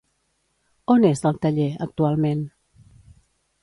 On és, el taller, actualment?